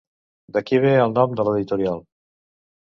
D'aquí ve el nom de l'editorial.